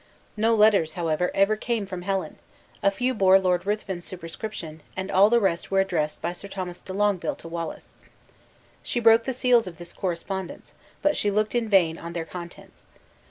No letters, however, ever came from Helen; a few bore Lord Ruthven's superscription, and all the rest were addressed by Sir Thomas de Longueville to Wallace. She broke the seals of this correspondence, but she looked in vain on their contents.